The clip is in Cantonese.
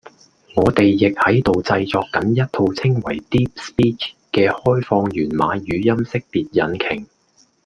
我哋亦喺度製作緊一套稱為 Deep Speech 嘅開放源碼語音識別引擎